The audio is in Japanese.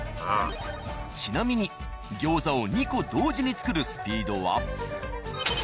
ちなみに餃子を２個同時に作るスピードは。